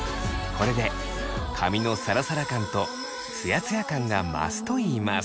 これで髪のサラサラ感とツヤツヤ感が増すといいます。